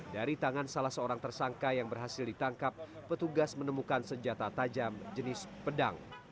dari tangan salah seorang tersangka yang berhasil ditangkap petugas menemukan senjata tajam jenis pedang